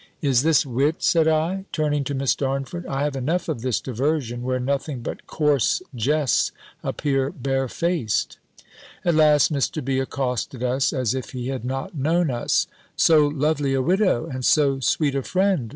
"Is this wit?" said I, turning to Miss Darnford: "I have enough of this diversion, where nothing but coarse jests appear barefac'd." At last Mr. B. accosted us, as if he had not known us. "So lovely a widow, and so sweet a friend!